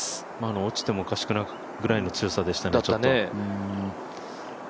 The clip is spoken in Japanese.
落ちてもおかしくないぐらいの強さでしたね。